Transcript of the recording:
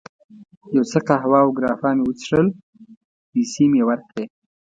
یو څه قهوه او ګراپا مې وڅښل، پیسې مې یې ورکړې.